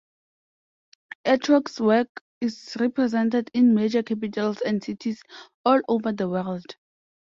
Etrog's work is represented in major capitals and cities all over the world.